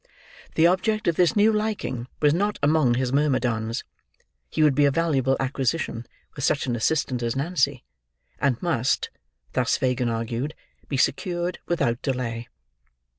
The object of this new liking was not among his myrmidons. He would be a valuable acquisition with such an assistant as Nancy, and must (thus Fagin argued) be secured without delay.